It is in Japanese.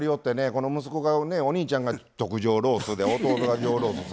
この息子がお兄ちゃんが特上ロースで弟が上ロース。